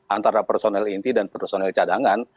antara personel inti dan personil cadangan